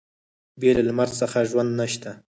بې له لمر څخه ژوند نشته.